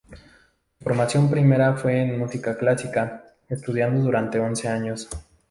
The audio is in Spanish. Su formación primera fue en música clásica, estudiando durante once años.